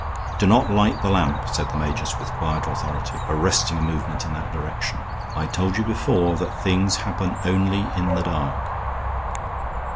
"Do not light the lamp," said the magus with quiet authority, arresting a movement in that direction. "I told you before that things happen only in the dark."